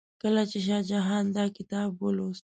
کله چې شاه جهان دا کتاب ولوست.